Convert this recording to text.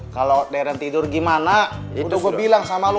kalo deren tidur gimana itu gua bilang sama lu